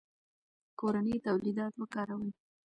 کورني تولیدات وکاروئ.